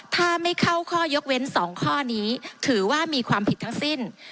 ถ้าไม่เข้าข้อยกเว้น๒ข้อนี้ถือว่ามีความผิดทั้งสิ้น